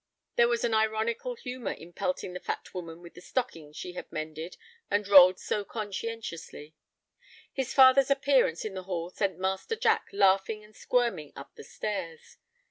There was an ironical humor in pelting the fat woman with the stockings she had mended and rolled so conscientiously. His father's appearance in the hall sent Master Jack laughing and squirming up the stairs.